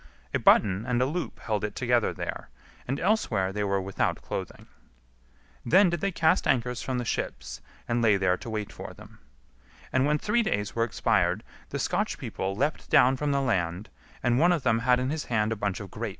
A button and a loop held it together there; and elsewhere they were without clothing. Then did they cast anchors from the ships, and lay there to wait for them. And when three days were expired the Scotch people leapt down from the land, and one of them had in his hand a bunch of grapes, and the other an ear of wild wheat.